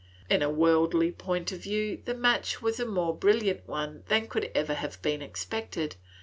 In a worldly point of view, the match was a more brilliant one than could ever have been expected.